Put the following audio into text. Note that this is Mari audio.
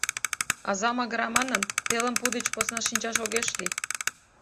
— Аза магыра манын, телым пу деч посна шинчаш огеш лий.